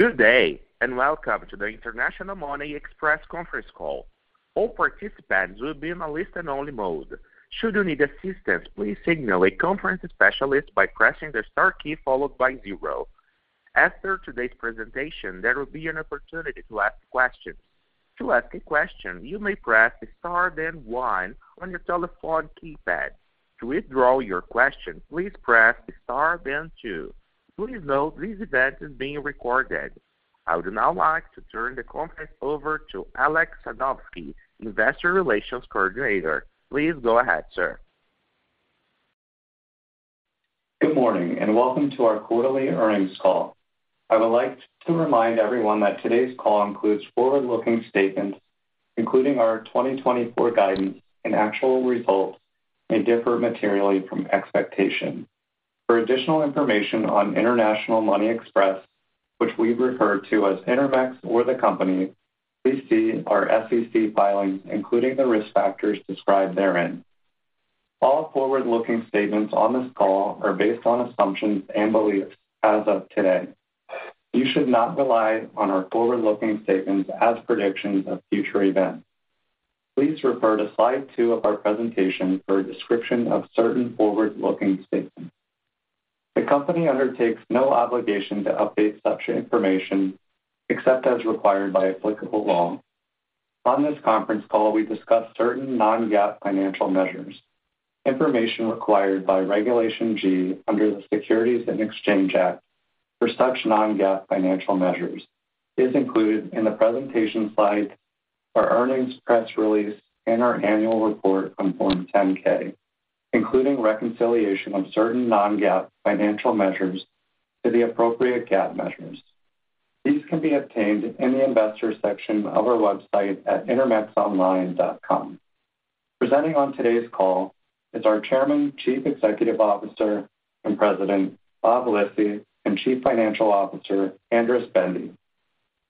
Good day, and welcome to the International Money Express conference call. All participants will be in a listen-only mode. Should you need assistance, please signal a conference specialist by pressing the star key followed by zero. After today's presentation, there will be an opportunity to ask questions. To ask a question, you may press star then one on your telephone keypad. To withdraw your question, please press star then two. Please note this event is being recorded. I would now like to turn the conference over to Alex Sadowski, Investor Relations Coordinator. Please go ahead, sir. Good morning, and welcome to our quarterly earnings call. I would like to remind everyone that today's call includes forward-looking statements, including our 2024 guidance, and actual results may differ materially from expectations. For additional information on International Money Express, which we refer to as Intermex or the company, please see our SEC filings, including the risk factors described therein. All forward-looking statements on this call are based on assumptions and beliefs as of today. You should not rely on our forward-looking statements as predictions of future events. Please refer to slide 2 of our presentation for a description of certain forward-looking statements. The company undertakes no obligation to update such information except as required by applicable law. On this conference call, we discuss certain non-GAAP financial measures. Information required by Regulation G under the Securities and Exchange Act for such non-GAAP financial measures is included in the presentation slides, our earnings press release, and our annual report on Form 10-K, including reconciliation of certain non-GAAP financial measures to the appropriate GAAP measures. These can be obtained in the investor section of our website at intermexonline.com. Presenting on today's call is our Chairman, Chief Executive Officer, and President, Bob Lisy, and Chief Financial Officer, Andras Bende.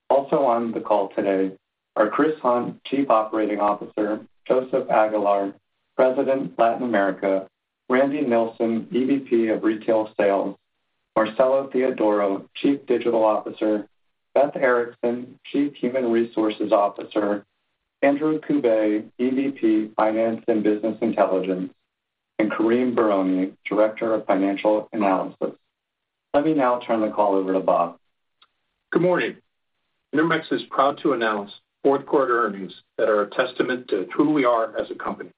Also on the call today are Chris Hunt, Chief Operating Officer, Joseph Aguilar, President, Latin America, Randy Nelson, EVP of Retail Sales, Marcelo Theodoro, Chief Digital Officer, Beth Erickson, Chief Human Resources Andrew Kouba, EVP, Finance and Business Intelligence, Karim Bouaram, Director of Financial Analysis. Let me now turn the call over to Bob. Good morning. Intermex is proud to announce fourth quarter earnings that are a testament to who we are as a company.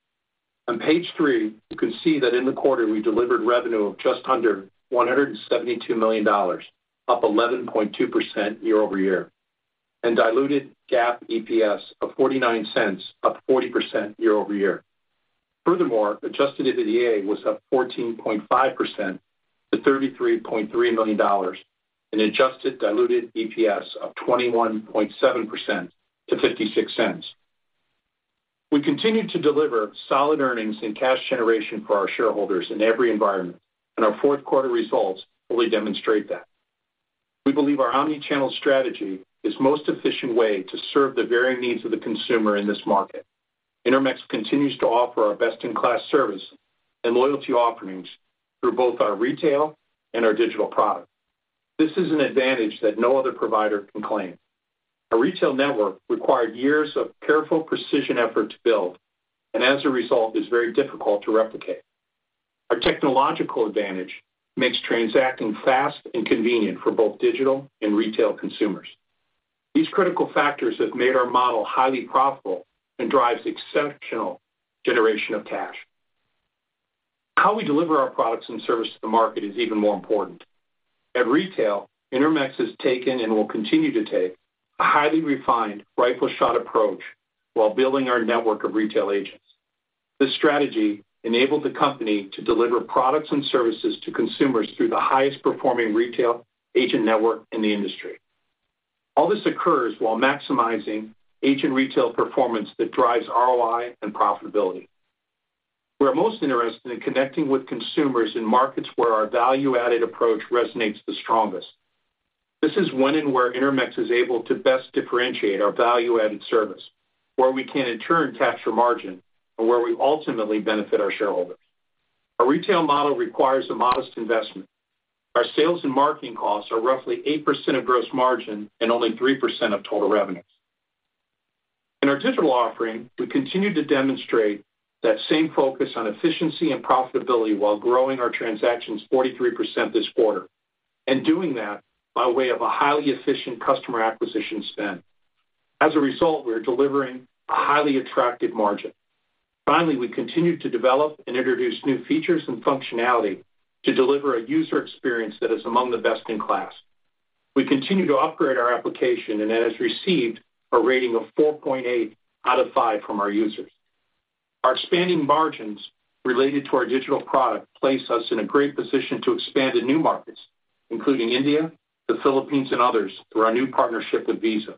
On page three, you can see that in the quarter, we delivered revenue of just under $172 million, up 11.2% year-over-year, and diluted GAAP EPS of $0.49, up 40% year-over-year. Furthermore, adjusted EBITDA was up 14.5% to $33.3 million, an adjusted diluted EPS of 21.7% to $0.56. We continued to deliver solid earnings and cash generation for our shareholders in every environment, and our fourth quarter results fully demonstrate that. We believe our omni-channel strategy is the most efficient way to serve the varying needs of the consumer in this market. Intermex continues to offer our best-in-class service and loyalty offerings through both our retail and our digital product. This is an advantage that no other provider can claim. Our retail network required years of careful precision effort to build, and as a result, is very difficult to replicate. Our technological advantage makes transacting fast and convenient for both digital and retail consumers. These critical factors have made our model highly profitable and drives exceptional generation of cash. How we deliver our products and service to the market is even more important. At retail, Intermex has taken and will continue to take a highly refined rifle shot approach while building our network of retail agents. This strategy enabled the company to deliver products and services to consumers through the highest performing retail agent network in the industry. All this occurs while maximizing agent retail performance that drives ROI and profitability. We're most interested in connecting with consumers in markets where our value-added approach resonates the strongest. This is when and where Intermex is able to best differentiate our value-added service, where we can in turn capture margin and where we ultimately benefit our shareholders. Our retail model requires a modest investment. Our sales and marketing costs are roughly 8% of gross margin and only 3% of total revenues. In our digital offering, we continue to demonstrate that same focus on efficiency and profitability while growing our transactions 43% this quarter, and doing that by way of a highly efficient customer acquisition spend. As a result, we are delivering a highly attractive margin. Finally, we continue to develop and introduce new features and functionality to deliver a user experience that is among the best in class. We continue to upgrade our application, and it has received a rating of 4.8 out of 5 from our users. Our expanding margins related to our digital product place us in a great position to expand in new markets, including India, the Philippines, and others, through our new partnership with Visa.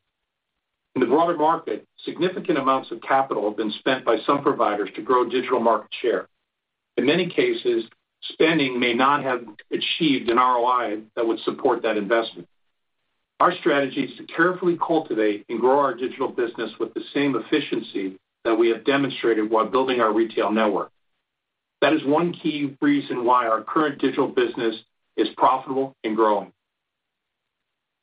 In the broader market, significant amounts of capital have been spent by some providers to grow digital market share. In many cases, spending may not have achieved an ROI that would support that investment. Our strategy is to carefully cultivate and grow our digital business with the same efficiency that we have demonstrated while building our retail network. That is one key reason why our current digital business is profitable and growing.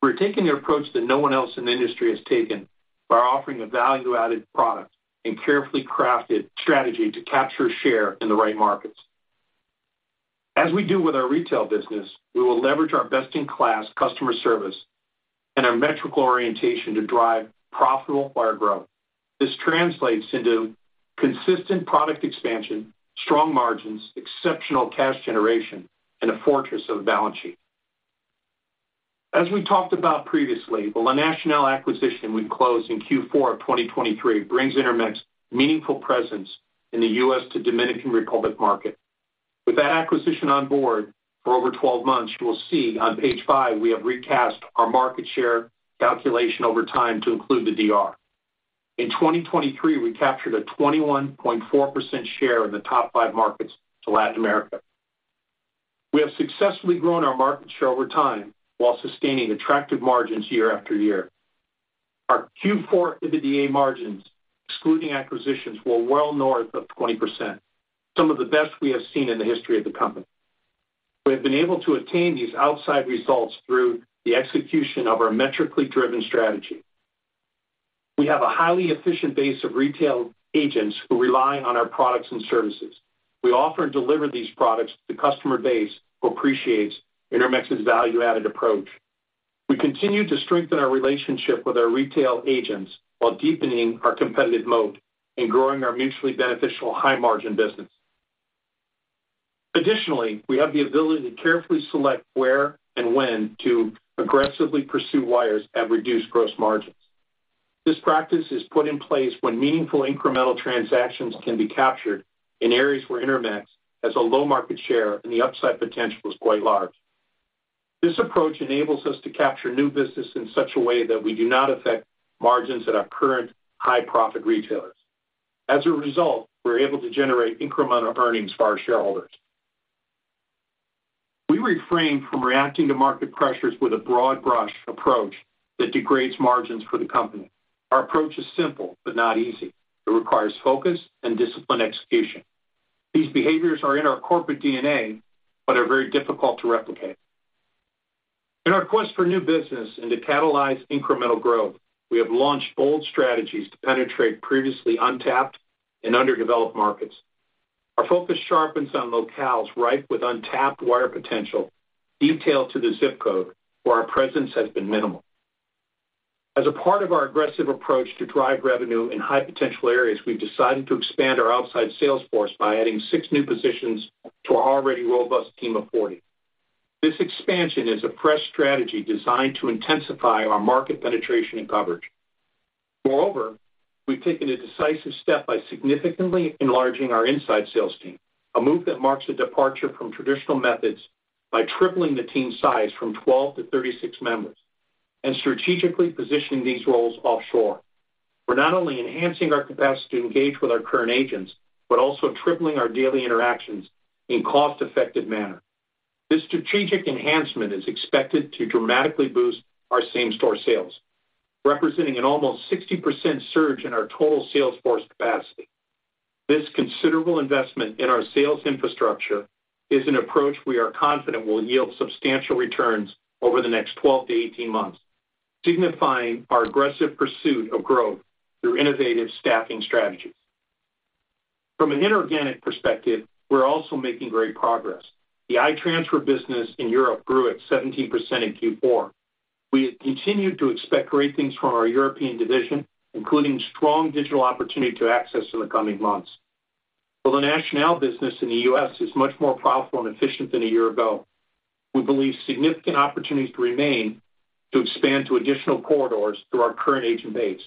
We're taking the approach that no one else in the industry has taken by offering a value-added product and carefully crafted strategy to capture share in the right markets. As we do with our retail business, we will leverage our best-in-class customer service and our metric orientation to drive profitable wire growth. This translates into consistent product expansion, strong margins, exceptional cash generation, and a fortress of a balance sheet. As we talked about previously, the La Nacional acquisition we closed in Q4 of 2023 brings Intermex meaningful presence in the U.S. to Dominican Republic market. With that acquisition on board for over 12 months, you will see on page 5, we have recast our market share calculation over time to include the DR. In 2023, we captured a 21.4% share of the top five markets to Latin America. We have successfully grown our market share over time while sustaining attractive margins year after year. Our Q4 EBITDA margins, excluding acquisitions, were well north of 20%, some of the best we have seen in the history of the company. We have been able to attain these outstanding results through the execution of our metrically driven strategy. We have a highly efficient base of retail agents who rely on our products and services. We offer and deliver these products to customer base, who appreciates Intermex's value-added approach. We continue to strengthen our relationship with our retail agents while deepening our competitive moat and growing our mutually beneficial high-margin business. Additionally, we have the ability to carefully select where and when to aggressively pursue wires at reduced gross margins. This practice is put in place when meaningful incremental transactions can be captured in areas where Intermex has a low market share and the upside potential is quite large. This approach enables us to capture new business in such a way that we do not affect margins at our current high-profit retailers. As a result, we're able to generate incremental earnings for our shareholders. We refrain from reacting to market pressures with a broad-brush approach that degrades margins for the company. Our approach is simple but not easy. It requires focus and disciplined execution. These behaviors are in our corporate DNA, but are very difficult to replicate. In our quest for new business and to catalyze incremental growth, we have launched bold strategies to penetrate previously untapped and underdeveloped markets. Our focus sharpens on locales ripe with untapped wire potential, detailed to the zip code, where our presence has been minimal. As a part of our aggressive approach to drive revenue in high-potential areas, we've decided to expand our outside sales force by adding 6 new positions to our already robust team of 40. This expansion is a press strategy designed to intensify our market penetration and coverage. Moreover, we've taken a decisive step by significantly enlarging our inside sales team, a move that marks a departure from traditional methods by tripling the team size from 12 to 36 members and strategically positioning these roles offshore. We're not only enhancing our capacity to engage with our current agents, but also tripling our daily interactions in cost-effective manner. This strategic enhancement is expected to dramatically boost our same-store sales, representing an almost 60% surge in our total sales force capacity. This considerable investment in our sales infrastructure is an approach we are confident will yield substantial returns over the next 12-18 months, signifying our aggressive pursuit of growth through innovative staffing strategies. From an inorganic perspective, we're also making great progress. The i-Transfer business in Europe grew at 17% in Q4. We have continued to expect great things from our European division, including strong digital opportunity to access in the coming months. While the La Nacional business in the U.S. is much more profitable and efficient than a year ago, we believe significant opportunities remain to expand to additional corridors through our current agent base.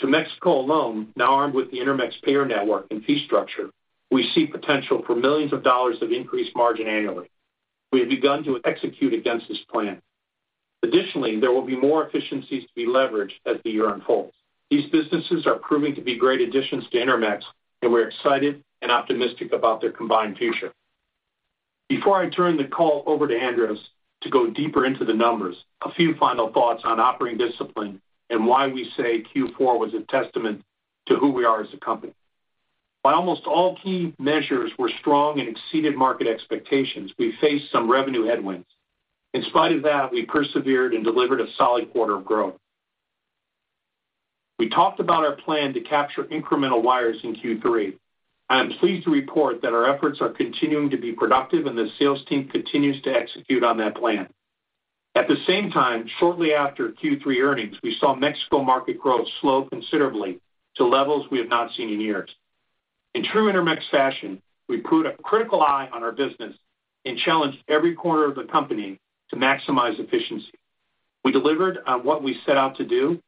To Mexico alone, now armed with the Intermex payer network and fee structure, we see potential for $ millions of increased margin annually. We have begun to execute against this plan. Additionally, there will be more efficiencies to be leveraged as the year unfolds. These businesses are proving to be great additions to Intermex, and we're excited and optimistic about their combined future. Before I turn the call over to Andras to go deeper into the numbers, a few final thoughts on operating discipline and why we say Q4 was a testament to who we are as a company. By almost all key measures, we're strong and exceeded market expectations. We faced some revenue headwinds. In spite of that, we persevered and delivered a solid quarter of growth. We talked about our plan to capture incremental wires in Q3. I am pleased to report that our efforts are continuing to be productive and the sales team continues to execute on that plan. At the same time, shortly after Q3 earnings, we saw Mexico market growth slow considerably to levels we have not seen in years. In true Intermex fashion, we put a critical eye on our business and challenged every corner of the company to maximize efficiency. We delivered on what we set out to do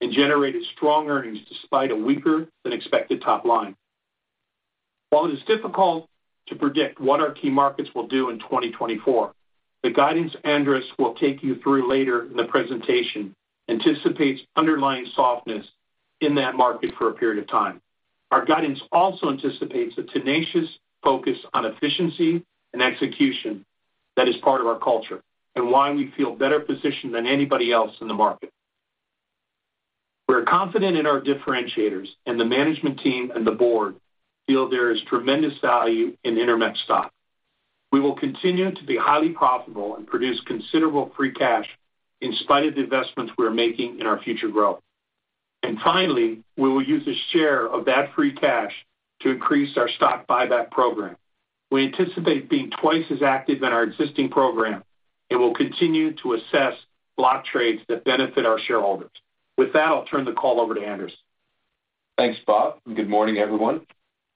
and generated strong earnings despite a weaker than expected top line. While it is difficult to predict what our key markets will do in 2024, the guidance Andras will take you through later in the presentation anticipates underlying softness in that market for a period of time. Our guidance also anticipates a tenacious focus on efficiency and execution that is part of our culture, and why we feel better positioned than anybody else in the market. We're confident in our differentiators, and the management team and the board feel there is tremendous value in Intermex stock. We will continue to be highly profitable and produce considerable free cash in spite of the investments we are making in our future growth. And finally, we will use a share of that free cash to increase our stock buyback program. We anticipate being twice as active in our existing program and will continue to assess block trades that benefit our shareholders. With that, I'll turn the call over to Andras. Thanks, Bob, and good morning, everyone.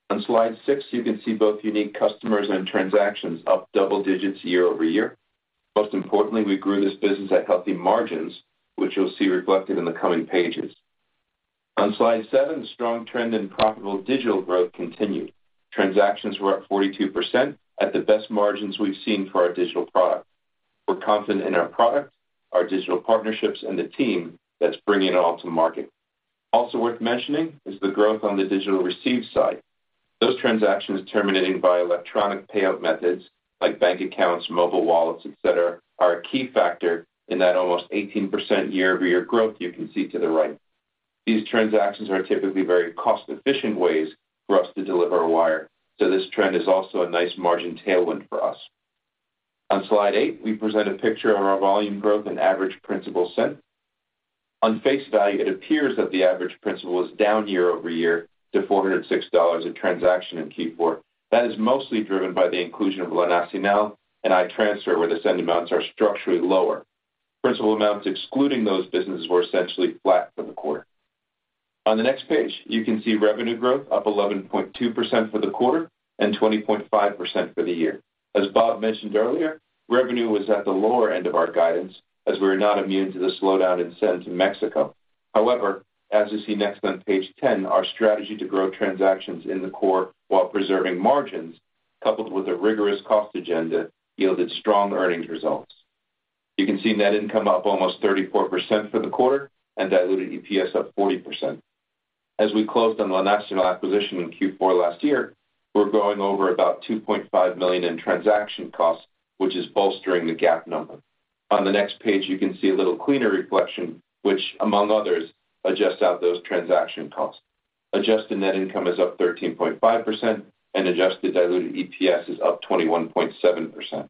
On slide 6, you can see both unique customers and transactions up double digits year-over-year. Most importantly, we grew this business at healthy margins, which you'll see reflected in the coming pages. On slide 7, strong trend in profitable digital growth continued. Transactions were up 42% at the best margins we've seen for our digital product. We're confident in our product, our digital partnerships, and the team that's bringing it all to market. Also worth mentioning is the growth on the digital receive side. Those transactions terminating by electronic payout methods like bank accounts, mobile wallets, et cetera, are a key factor in that almost 18% year-over-year growth you can see to the right. These transactions are typically very cost-efficient ways for us to deliver a wire, so this trend is also a nice margin tailwind for us. On slide 8, we present a picture of our volume growth and average principal sent. On face value, it appears that the average principal is down year-over-year to $406 a transaction in Q4. That is mostly driven by the inclusion of La Nacional and I-Transfer, where the send amounts are structurally lower. Principal amounts, excluding those businesses, were essentially flat for the quarter. On the next page, you can see revenue growth up 11.2% for the quarter and 20.5% for the year. As Bob mentioned earlier, revenue was at the lower end of our guidance as we were not immune to the slowdown in sends in Mexico. However, as you see next on page 10, our strategy to grow transactions in the core while preserving margins, coupled with a rigorous cost agenda, yielded strong earnings results. You can see net income up almost 34% for the quarter and diluted EPS up 40%. As we closed on La Nacional acquisition in Q4 last year, we're going over about $2.5 million in transaction costs, which is bolstering the GAAP number. On the next page, you can see a little cleaner reflection, which, among others, adjusts out those transaction costs. Adjusted net income is up 13.5%, and adjusted diluted EPS is up 21.7%.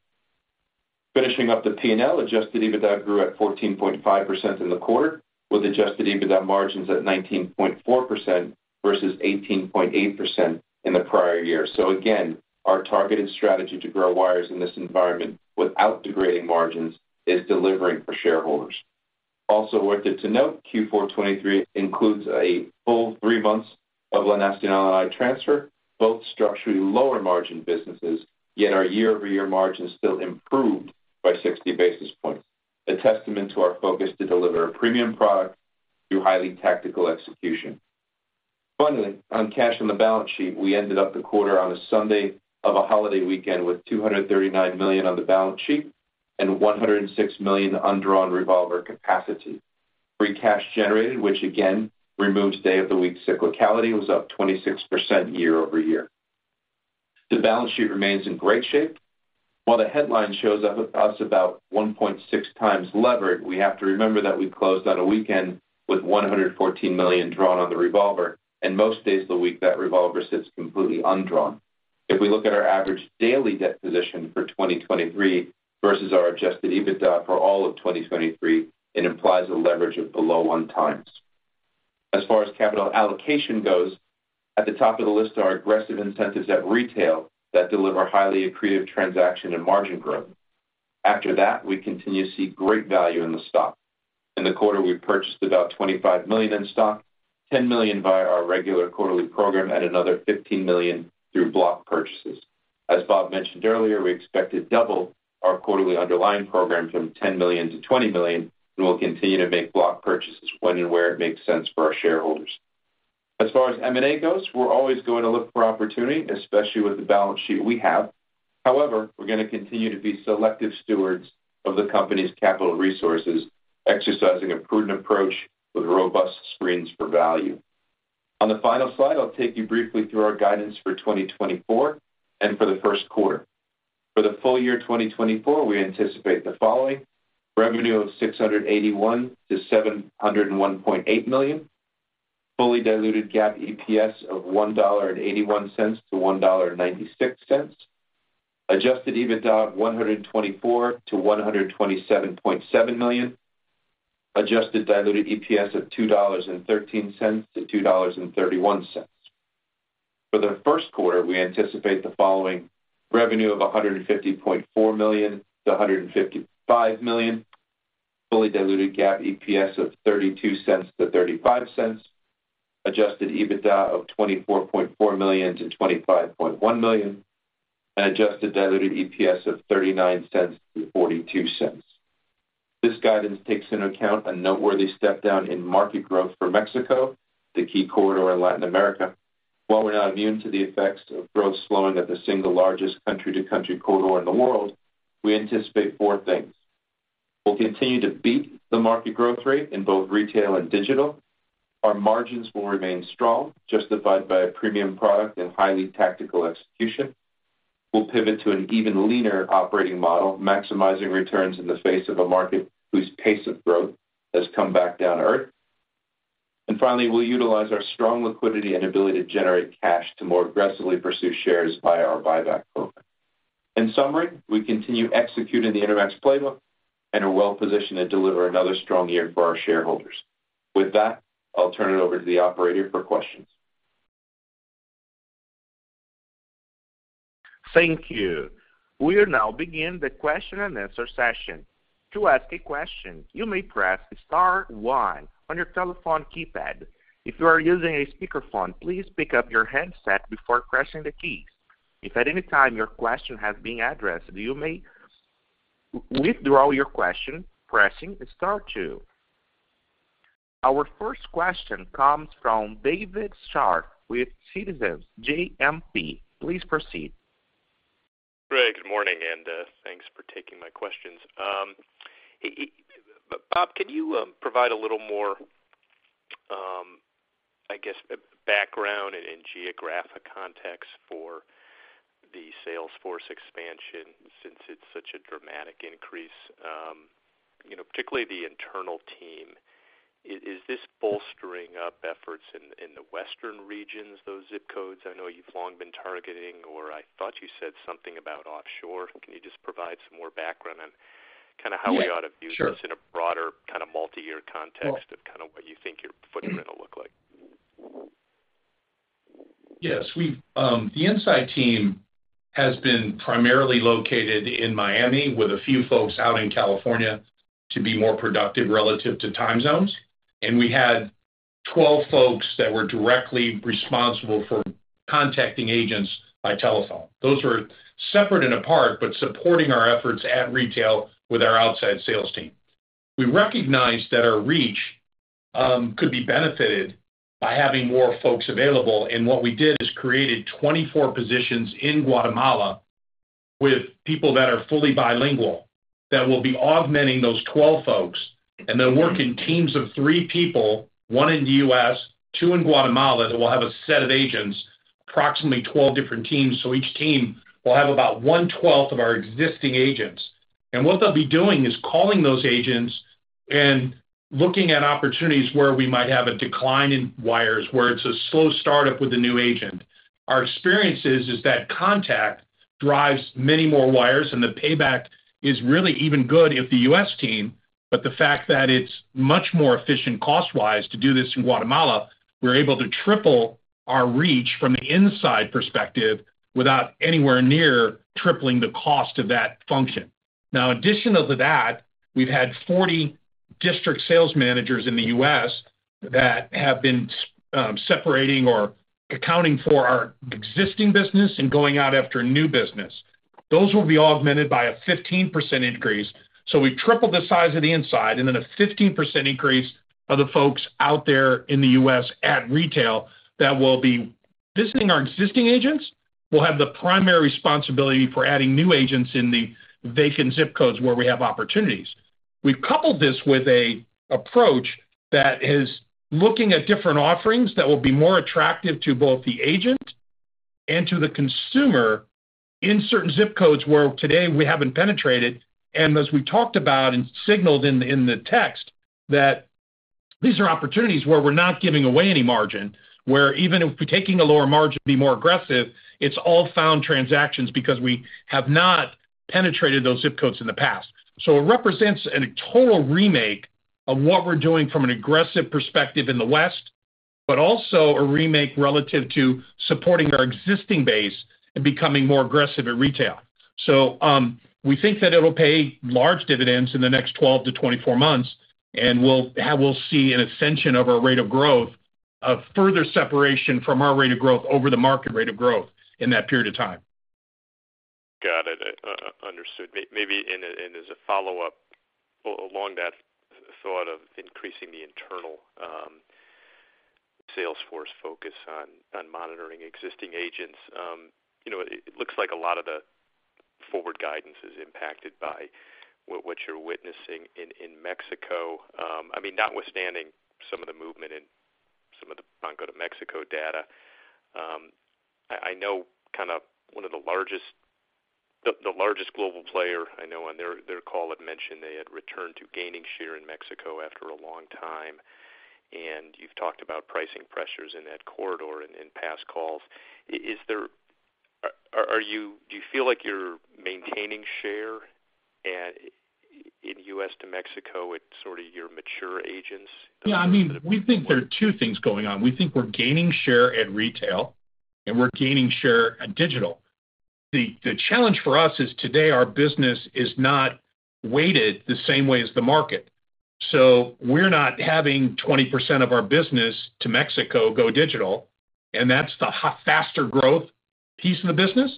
Finishing up the P&L, adjusted EBITDA grew at 14.5% in the quarter, with adjusted EBITDA margins at 19.4% versus 18.8% in the prior year. So again, our targeted strategy to grow wires in this environment without degrading margins is delivering for shareholders. Also worth it to note, Q4 2023 includes a full three months of La Nacional and I-Transfer, both structurally lower-margin businesses, yet our year-over-year margins still improved by 60 basis points, a testament to our focus to deliver a premium product through highly tactical execution. Finally, on cash on the balance sheet, we ended up the quarter on a Sunday of a holiday weekend with $239 million on the balance sheet and $106 million undrawn revolver capacity. Free cash generated, which again removes day-of-the-week cyclicality, was up 26% year-over-year. The balance sheet remains in great shape. While the headline shows us about 1.6x levered, we have to remember that we closed on a weekend with $114 million drawn on the revolver, and most days of the week, that revolver sits completely undrawn. If we look at our average daily debt position for 2023 versus our adjusted EBITDA for all of 2023, it implies a leverage of below 1x. As far as capital allocation goes, at the top of the list are aggressive incentives at retail that deliver highly accretive transaction and margin growth. After that, we continue to see great value in the stock. In the quarter, we purchased about $25 million in stock, $10 million via our regular quarterly program and another $15 million through block purchases. As Bob mentioned earlier, we expect to double our quarterly underlying program from $10 million to $20 million, and we'll continue to make block purchases when and where it makes sense for our shareholders. As far as M&A goes, we're always going to look for opportunity, especially with the balance sheet we have. However, we're going to continue to be selective stewards of the company's capital resources, exercising a prudent approach with robust screens for value. On the final slide, I'll take you briefly through our guidance for 2024 and for the first quarter. For the full year 2024, we anticipate the following: revenue of $681-$701.8 million, fully diluted GAAP EPS of $1.81-$1.96, adjusted EBITDA of $124-$127.7 million, adjusted diluted EPS of $2.13-$2.31. For the first quarter, we anticipate the following: revenue of $150.4 million-$155 million, fully diluted GAAP EPS of $0.32-$0.35, adjusted EBITDA of $24.4 million-$25.1 million, and adjusted diluted EPS of $0.39-$0.42. This guidance takes into account a noteworthy step down in market growth for Mexico, the key corridor in Latin America. While we're not immune to the effects of growth slowing of the single largest country-to-country corridor in the world, we anticipate four things. We'll continue to beat the market growth rate in both retail and digital. Our margins will remain strong, justified by a premium product and highly tactical execution. We'll pivot to an even leaner operating model, maximizing returns in the face of a market whose pace of growth has come back down to earth. And finally, we'll utilize our strong liquidity and ability to generate cash to more aggressively pursue shares via our buyback program. In summary, we continue executing the Intermex playbook and are well positioned to deliver another strong year for our shareholders. With that, I'll turn it over to the operator for questions. Thank you. We are now beginning the question and answer session. To ask a question, you may press star one on your telephone keypad. If you are using a speakerphone, please pick up your handset before pressing the keys. If at any time your question has been addressed, you may withdraw your question pressing star two. Our first question comes from David Scharf with Citizens JMP. Please proceed. Great, good morning, and thanks for taking my questions. Bob, can you provide a little more, I guess, background and geographic context for the sales force expansion since it's such a dramatic increase, you know, particularly the internal team. Is this bolstering up efforts in the western regions, those zip codes I know you've long been targeting, or I thought you said something about offshore? Can you just provide some more background on kind of how we ought to view this. Sure. In a broader kind of multi-year context of kind of what you think your footprint will look like? Yes. We've the inside team has been primarily located in Miami, with a few folks out in California to be more productive relative to time zones. We had 12 folks that were directly responsible for contacting agents by telephone. Those were separate and apart, but supporting our efforts at retail with our outside sales team. We recognized that our reach could be benefited by having more folks available, and what we did is created 24 positions in Guatemala with people that are fully bilingual, that will be augmenting those 12 folks. They'll work in teams of 3 people, 1 in the U.S., 2 in Guatemala, that will have a set of agents, approximately 12 different teams. Each team will have about 1/12 of our existing agents. What they'll be doing is calling those agents and looking at opportunities where we might have a decline in wires, where it's a slow startup with a new agent. Our experience is that contact drives many more wires, and the payback is really even good if the U.S. team, but the fact that it's much more efficient cost-wise to do this in Guatemala, we're able to triple our reach from the inside perspective without anywhere near tripling the cost of that function. Now, additional to that, we've had 40 district sales managers in the U.S. that have been separating or accounting for our existing business and going out after new business. Those will be augmented by a 15% increase. So we've tripled the size of the inside and then a 15% increase of the folks out there in the U.S. at retail that will be visiting our existing agents, will have the primary responsibility for adding new agents in the vacant zip codes where we have opportunities. We've coupled this with a approach that is looking at different offerings that will be more attractive to both the agent and to the consumer in certain zip codes where today we haven't penetrated. And as we talked about and signaled in, in the text, that these are opportunities where we're not giving away any margin, where even if we're taking a lower margin to be more aggressive, it's all found transactions because we have not penetrated those zip codes in the past. So it represents a total remake of what we're doing from an aggressive perspective in the West, but also a remake relative to supporting our existing base and becoming more aggressive at retail. We think that it'll pay large dividends in the next 12-24 months, and we'll see an ascension of our rate of growth, a further separation from our rate of growth over the market rate of growth in that period of time. Got it. Understood. Maybe and as a follow-up along that thought of increasing the internal sales force focus on monitoring existing agents, you know, it looks like a lot of the forward guidance is impacted by what you're witnessing in Mexico. I mean, notwithstanding some of the movement in some of the Mexico data, I know kind of one of the largest-- the largest global player I know on their call had mentioned they had returned to gaining share in Mexico after a long time, and you've talked about pricing pressures in that corridor in past calls. Are you, do you feel like you're maintaining share in U.S. to Mexico with sort of your mature agents? Yeah, I mean, we think there are two things going on. We think we're gaining share at retail, and we're gaining share at digital. The challenge for us is today, our business is not weighted the same way as the market, so we're not having 20% of our business to Mexico go digital, and that's the faster growth piece of the business.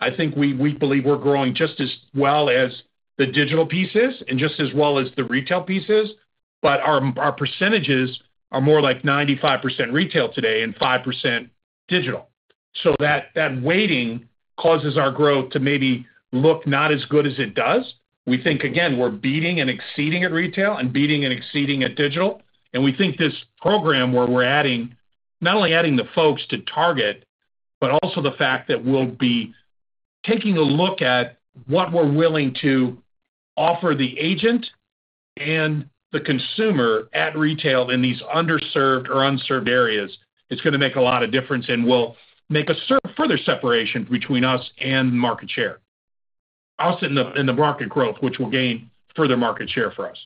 I think we believe we're growing just as well as the digital piece is and just as well as the retail piece is, but our percentages are more like 95% retail today and 5% digital. So that weighting causes our growth to maybe look not as good as it does. We think, again, we're beating and exceeding at retail and beating and exceeding at digital, and we think this program where we're adding-... not only adding the folks to Target, but also the fact that we'll be taking a look at what we're willing to offer the agent and the consumer at retail in these underserved or unserved areas. It's going to make a lot of difference, and we'll make a further separation between us and market share. Also in the market growth, which will gain further market share for us.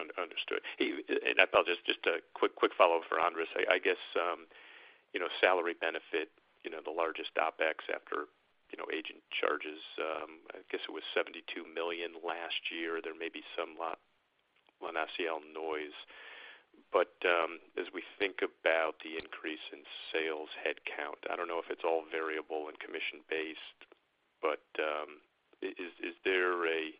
Understood. Hey, and I thought just a quick follow-up for Andras. I guess, you know, salary benefit, you know, the largest OpEx after, you know, agent charges, I guess it was $72 million last year. There may be some La Nacional noise, but, as we think about the increase in sales headcount, I don't know if it's all variable and commission-based, but, is there a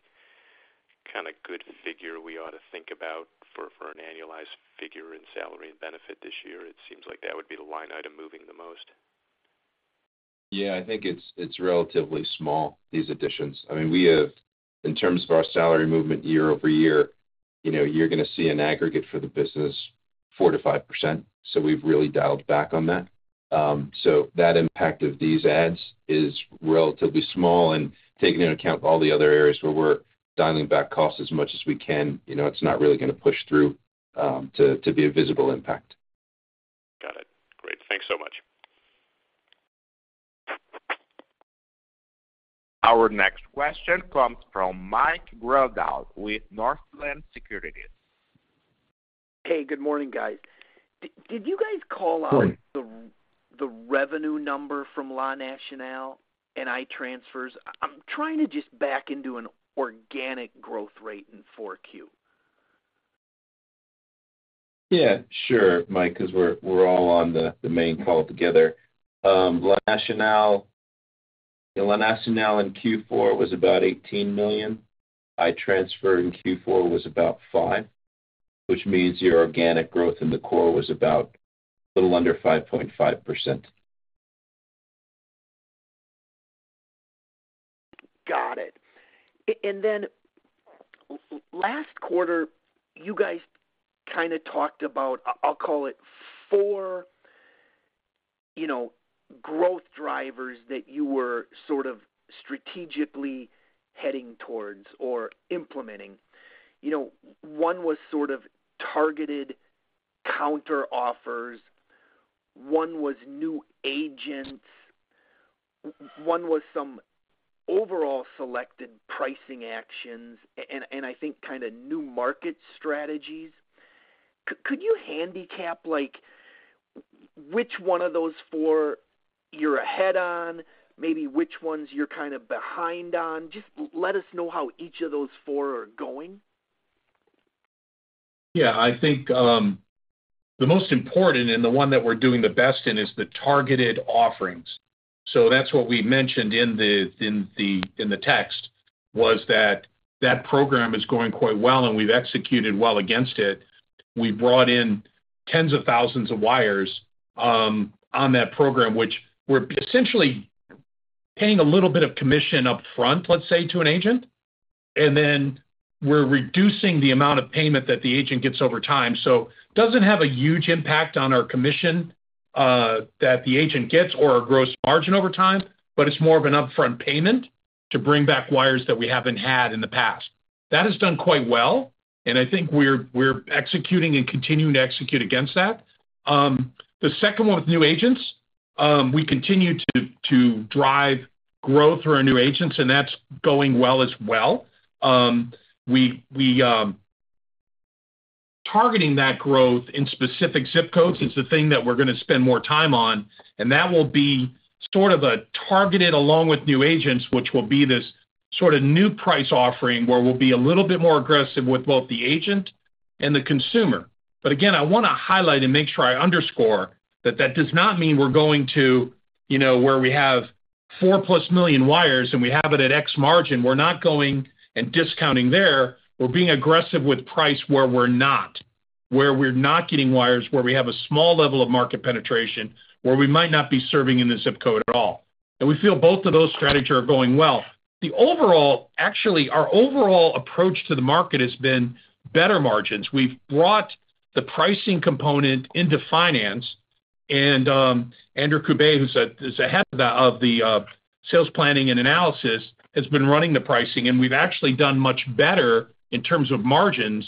kind of good figure we ought to think about for an annualized figure in salary and benefit this year? It seems like that would be the line item moving the most. Yeah, I think it's relatively small, these additions. I mean, we have, in terms of our salary movement year-over-year, you know, you're going to see an aggregate for the business 4%-5%. So we've really dialed back on that. So that impact of these ads is relatively small and taking into account all the other areas where we're dialing back costs as much as we can, you know, it's not really going to push through to be a visible impact. Got it. Great. Thanks so much. Our next question comes from Mike Grondahl with Northland Securities. Hey, good morning, guys. Did you guys call out- Hi The revenue number from La Nacional and I-Transfer? I'm trying to just back into an organic growth rate in 4Q. Yeah, sure, Mike, because we're all on the main call together. La Nacional in Q4 was about $18 million. I-Transfer in Q4 was about $5 million, which means your organic growth in the core was about a little under 5.5%. Got it. And then last quarter, you guys kind of talked about, I'll call it four, you know, growth drivers that you were sort of strategically heading towards or implementing. You know, one was sort of targeted counteroffers, one was new agents, one was some overall selected pricing actions and, and I think kind of new market strategies. Could you handicap, like, which one of those four you're ahead on, maybe which ones you're kind of behind on? Just let us know how each of those four are going. Yeah, I think the most important and the one that we're doing the best in is the targeted offerings. So that's what we mentioned in the text, was that that program is going quite well, and we've executed well against it. We brought in tens of thousands of wires on that program, which we're essentially paying a little bit of commission up front, let's say, to an agent, and then we're reducing the amount of payment that the agent gets over time. So doesn't have a huge impact on our commission that the agent gets or our gross margin over time, but it's more of an upfront payment to bring back wires that we haven't had in the past. That has done quite well, and I think we're executing and continuing to execute against that. The second one with new agents, we continue to drive growth through our new agents, and that's going well as well. We targeting that growth in specific zip codes, it's the thing that we're going to spend more time on, and that will be sort of a targeted, along with new agents, which will be this sort of new price offering, where we'll be a little bit more aggressive with both the agent and the consumer. But again, I want to highlight and make sure I underscore that that does not mean we're going to, you know, where we have 4+ million wires, and we have it at X margin. We're not going and discounting there. We're being aggressive with price where we're not, where we're not getting wires, where we have a small level of market penetration, where we might not be serving in the zip code at all. And we feel both of those strategies are going well. The overall, actually, our overall approach to the market has been better margins. We've brought the pricing component into finance, and Andrew Kouba, who's the head of the sales, planning, and analysis, has been running the pricing, and we've actually done much better in terms of margins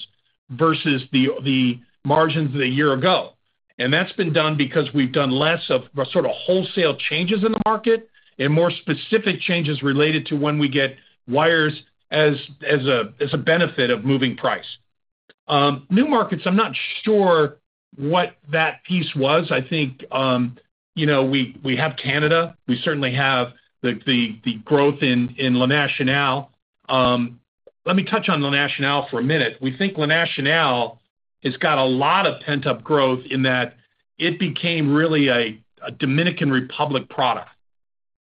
versus the margins a year ago. And that's been done because we've done less of a sort of wholesale changes in the market and more specific changes related to when we get wires as a benefit of moving price. New markets, I'm not sure what that piece was. I think, you know, we have Canada. We certainly have the growth in La Nacional. Let me touch on La Nacional for a minute. We think La Nacional has got a lot of pent-up growth in that it became really a Dominican Republic product,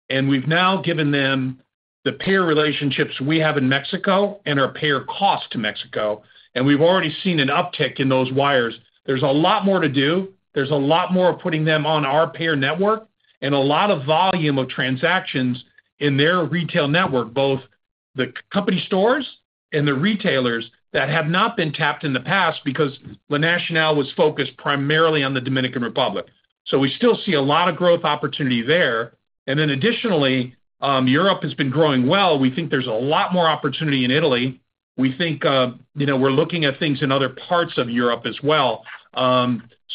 and we've now given them the peer relationships we have in Mexico and our peer cost to Mexico, and we've already seen an uptick in those wires. There's a lot more to do. There's a lot more of putting them on our peer network and a lot of volume of transactions in their retail network, both the company stores and the retailers that have not been tapped in the past because La Nacional was focused primarily on the Dominican Republic. So we still see a lot of growth opportunity there. And then additionally, Europe has been growing well. We think there's a lot more opportunity in Italy. We think, you know, we're looking at things in other parts of Europe as well.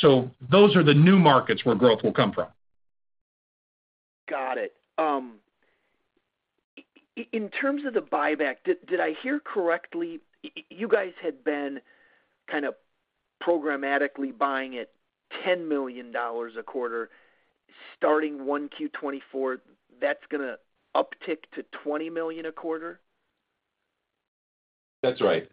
So those are the new markets where growth will come from. Got it. In terms of the buyback, did I hear correctly, you guys had been kind of programmatically buying at $10 million a quarter, starting 1Q 2024? That's gonna uptick to $20 million a quarter? That's right,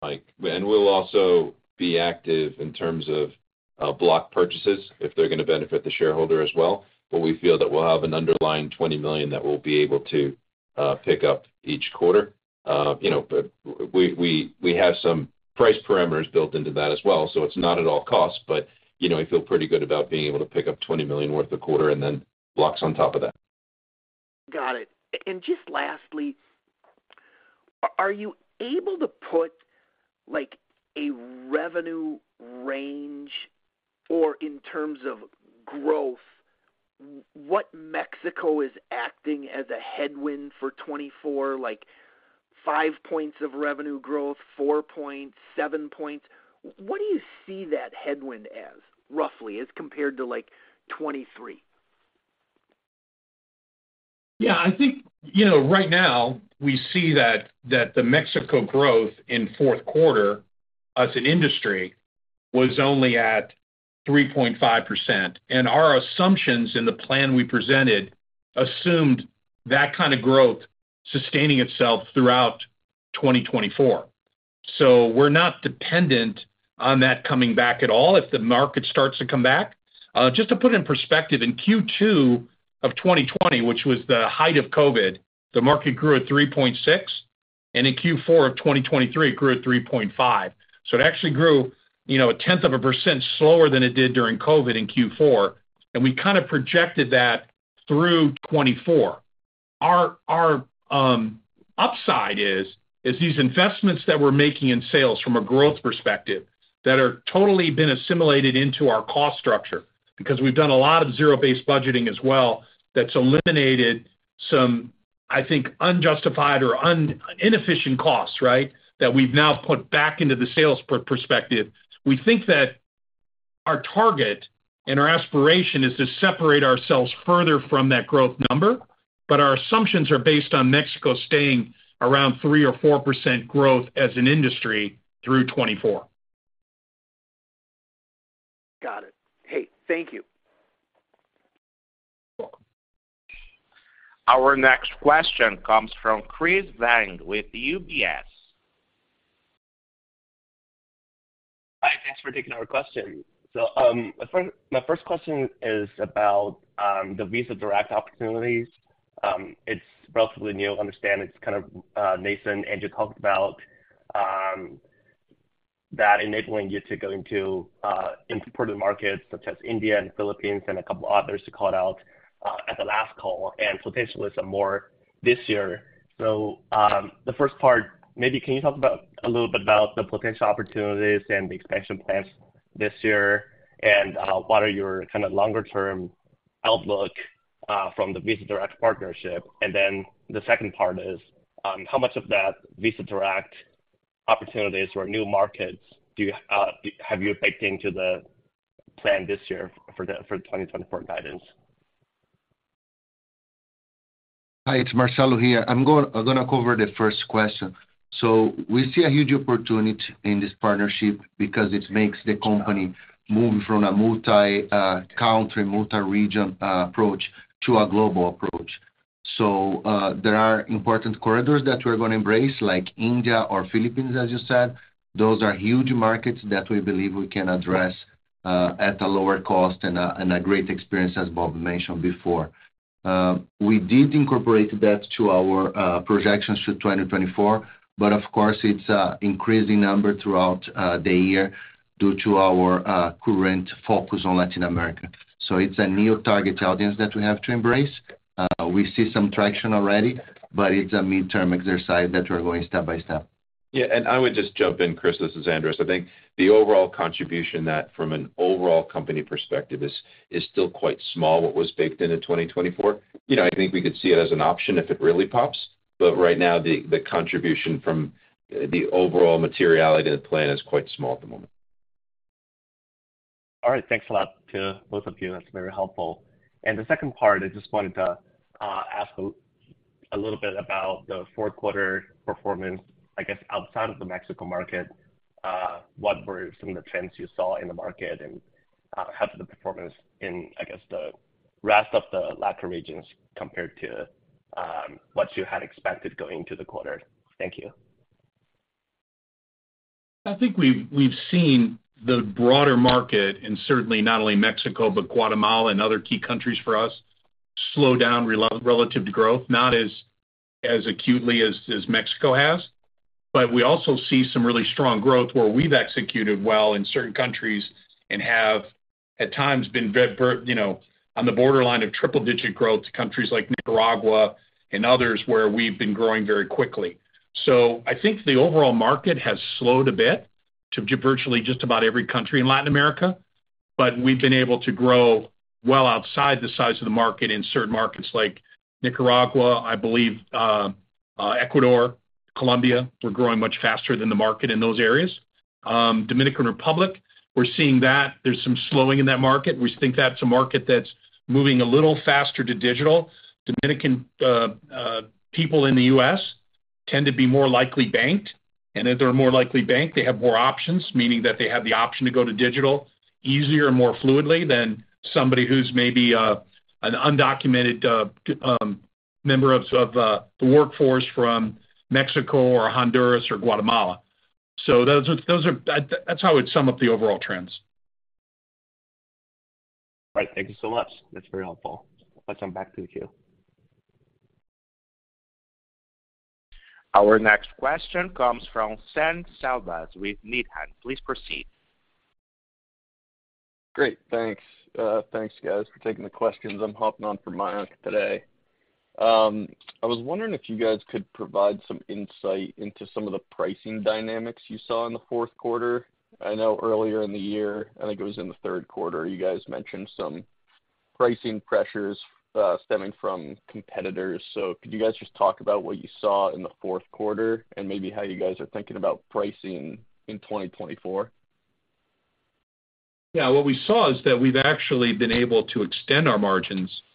Mike. And we'll also be active in terms of block purchases if they're gonna benefit the shareholder as well. But we feel that we'll have an underlying $20 million that we'll be able to pick up each quarter. You know, but we have some price parameters built into that as well, so it's not at all costs, but you know, I feel pretty good about being able to pick up $20 million worth a quarter and then blocks on top of that. Got it. Just lastly, are you able to put, like, a revenue range, or in terms of growth, what Mexico is acting as a headwind for 2024, like, 5 points of revenue growth, 4 points, 7 points? What do you see that headwind as, roughly, as compared to, like, 2023? Yeah, I think, you know, right now, we see that, that the Mexico growth in fourth quarter, as an industry, was only at 3.5%. And our assumptions in the plan we presented assumed that kind of growth sustaining itself throughout 2024. So we're not dependent on that coming back at all if the market starts to come back. Just to put it in perspective, in Q2 of 2020, which was the height of COVID, the market grew at 3.6, and in Q4 of 2023, it grew at 3.5. So it actually grew, you know, 0.1% slower than it did during COVID in Q4, and we kind of projected that through 2024. Our upside is these investments that we're making in sales from a growth perspective, that are totally been assimilated into our cost structure, because we've done a lot of zero-based budgeting as well, that's eliminated some, I think, unjustified or inefficient costs, right? That we've now put back into the sales perspective. We think that our target and our aspiration is to separate ourselves further from that growth number, but our assumptions are based on Mexico staying around 3% or 4% growth as an industry through 2024. Got it. Hey, thank you. You're welcome. Our next question comes from Chris Zhang with UBS. Hi, thanks for taking our question. So, my first question is about the Visa Direct opportunities. It's relatively new. I understand it's kind of nascent. And you talked about that enabling you to go into important markets such as India and Philippines and a couple of others to call out at the last call, and potentially some more this year. So, the first part, maybe can you talk about a little bit about the potential opportunities and the expansion plans this year? And what are your kind of longer-term outlook from the Visa Direct partnership? And then the second part is, how much of that Visa Direct opportunities or new markets have you baked into the plan this year for the 2024 guidance? Hi, it's Marcelo here. I'm gonna cover the first question. So we see a huge opportunity in this partnership because it makes the company move from a multi-country, multi-region approach to a global approach. So there are important corridors that we're gonna embrace, like India or Philippines, as you said. Those are huge markets that we believe we can address at a lower cost and a great experience, as Bob mentioned before. We did incorporate that to our projections to 2024, but of course, it's increasing number throughout the year due to our current focus on Latin America. So it's a new target audience that we have to embrace. We see some traction already, but it's a midterm exercise that we're going step by step. Yeah, and I would just jump in, Chris. This is Andras. I think the overall contribution that from an overall company perspective is still quite small, what was baked in in 2024. You know, I think we could see it as an option if it really pops, but right now, the contribution from the overall materiality to the plan is quite small at the moment. All right. Thanks a lot to both of you. That's very helpful. And the second part, I just wanted to ask a little bit about the fourth quarter performance, I guess, outside of the Mexico market. What were some of the trends you saw in the market and how's the performance in, I guess, the rest of the Latin regions compared to what you had expected going into the quarter? Thank you. I think we've seen the broader market, and certainly not only Mexico, but Guatemala and other key countries for us, slow down relative to growth, not as acutely as Mexico has. But we also see some really strong growth where we've executed well in certain countries and have at times been very, you know, on the borderline of triple-digit growth to countries like Nicaragua and others, where we've been growing very quickly. So I think the overall market has slowed a bit to virtually just about every country in Latin America, but we've been able to grow well outside the size of the market in certain markets like Nicaragua, I believe, Ecuador, Colombia. We're growing much faster than the market in those areas. Dominican Republic, we're seeing that there's some slowing in that market. We think that's a market that's moving a little faster to digital. Dominican people in the U.S. tend to be more likely banked, and if they're more likely banked, they have more options, meaning that they have the option to go to digital easier and more fluidly than somebody who's maybe an undocumented member of the workforce from Mexico or Honduras or Guatemala. So that's how I'd sum up the overall trends. Right. Thank you so much. That's very helpful. Let's come back to the queue. Our next question comes from Sam Salvas with Needham. Please proceed. Great, thanks. Thanks, guys, for taking the questions. I'm hopping on for Mayank today. I was wondering if you guys could provide some insight into some of the pricing dynamics you saw in the fourth quarter. I know earlier in the year, I think it was in the third quarter, you guys mentioned some pricing pressures, stemming from competitors. So could you guys just talk about what you saw in the fourth quarter and maybe how you guys are thinking about pricing in 2024? Yeah, what we saw is that we've actually been able to extend our margins in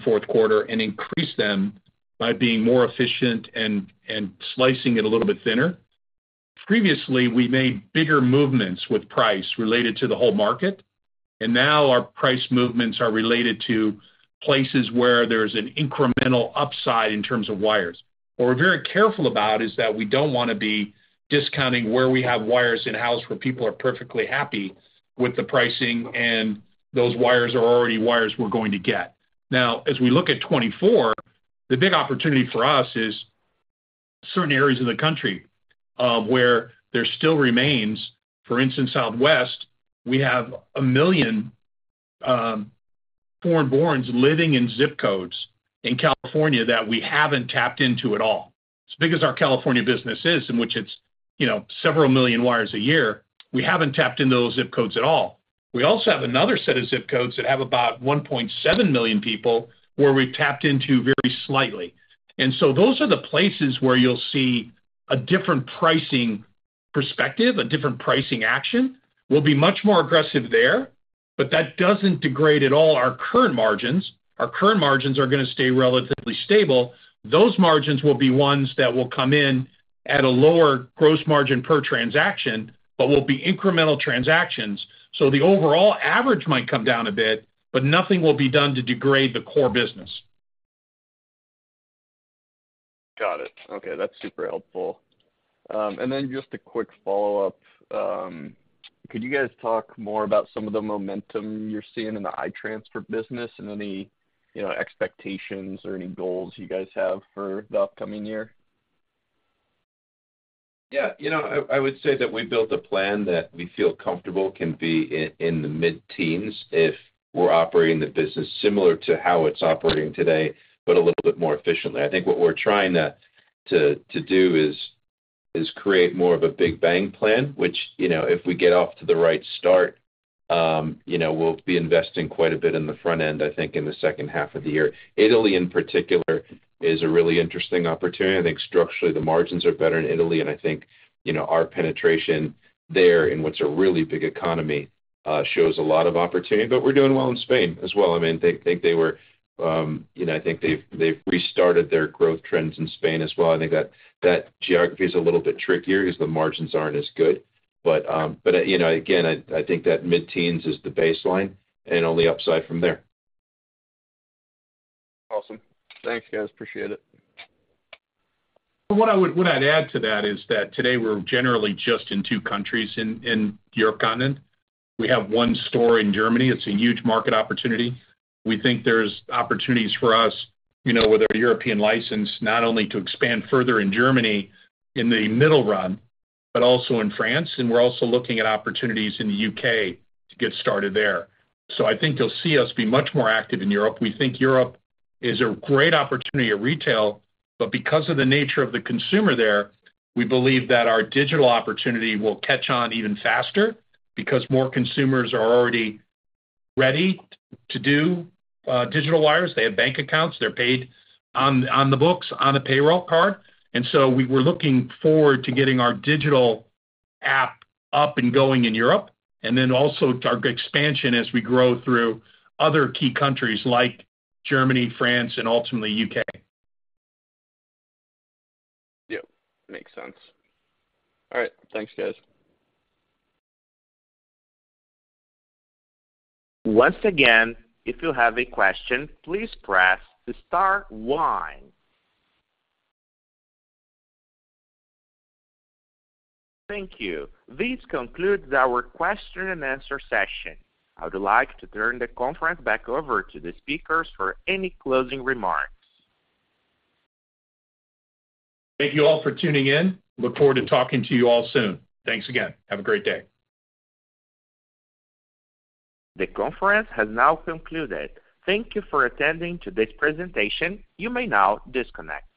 fourth quarter and increase them by being more efficient and slicing it a little bit thinner. Previously, we made bigger movements with price related to the whole market, and now our price movements are related to places where there's an incremental upside in terms of wires. What we're very careful about is that we don't wanna be discounting where we have wires in-house, where people are perfectly happy with the pricing, and those wires are already wires we're going to get. Now, as we look at 2024, the big opportunity for us is certain areas of the country, where there still remains... For instance, Southwest, we have 1 million foreign-borns living in zip codes in California that we haven't tapped into at all. As big as our California business is, in which it's, you know, several million wires a year, we haven't tapped into those zip codes at all. We also have another set of zip codes that have about 1.7 million people, where we've tapped into very slightly. And so those are the places where you'll see a different pricing perspective, a different pricing action. We'll be much more aggressive there, but that doesn't degrade at all our current margins. Our current margins are gonna stay relatively stable. Those margins will be ones that will come in at a lower gross margin per transaction, but will be incremental transactions, so the overall average might come down a bit, but nothing will be done to degrade the core business. Got it. Okay, that's super helpful. And then just a quick follow-up. Could you guys talk more about some of the momentum you're seeing in the I-Transfer business and any, you know, expectations or any goals you guys have for the upcoming year? Yeah, you know, I would say that we built a plan that we feel comfortable can be in the mid-teens if we're operating the business similar to how it's operating today, but a little bit more efficiently. I think what we're trying to do is create more of a big bang plan, which, you know, if we get off to the right start, you know, we'll be investing quite a bit in the front end, I think, in the second half of the year. Italy, in particular, is a really interesting opportunity. I think structurally, the margins are better in Italy, and I think, you know, our penetration there, in what's a really big economy, shows a lot of opportunity, but we're doing well in Spain as well. I mean, I think they were, you know, I think they've restarted their growth trends in Spain as well. I think that that geography is a little bit trickier because the margins aren't as good. But, you know, again, I think that mid-teens is the baseline and only upside from there. Awesome. Thanks, guys. Appreciate it. What I'd add to that is that today we're generally just in two countries in the European continent. We have one store in Germany. It's a huge market opportunity. We think there's opportunities for us, you know, with our European license, not only to expand further in Germany in the middle run, but also in France, and we're also looking at opportunities in the UK to get started there. So I think you'll see us be much more active in Europe. We think Europe is a great opportunity at retail, but because of the nature of the consumer there, we believe that our digital opportunity will catch on even faster because more consumers are already ready to do digital wires. They have bank accounts, they're paid on the books, on a payroll card. We're looking forward to getting our digital app up and going in Europe, and then also our expansion as we grow through other key countries like Germany, France, and ultimately U.K. Yep, makes sense. All right. Thanks, guys. Once again, if you have a question, please press the star one. Thank you. This concludes our question and answer session. I would like to turn the conference back over to the speakers for any closing remarks. Thank you all for tuning in. Look forward to talking to you all soon. Thanks again. Have a great day. The conference has now concluded. Thank you for attending to this presentation. You may now disconnect.